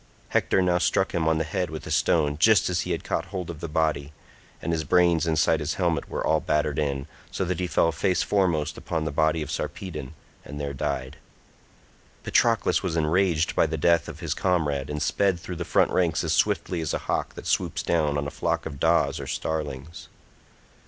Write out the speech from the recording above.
Hector now struck him on the head with a stone just as he had caught hold of the body, and his brains inside his helmet were all battered in, so that he fell face foremost upon the body of Sarpedon, and there died. Patroclus was enraged by the death of his comrade, and sped through the front ranks as swiftly as a hawk that swoops down on a flock of daws or starlings.